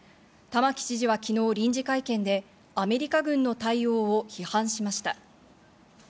玉城知事は昨日、臨時会見でアメリカ軍の対応を批判しました。